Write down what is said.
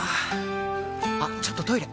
あっちょっとトイレ！